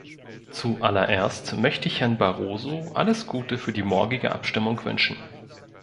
Zuallererst möchte ich Herrn Barroso alles Gute für die morgige Abstimmung wünschen.